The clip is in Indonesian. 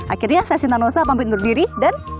akhirnya saya sinta nusa pamit undur diri dan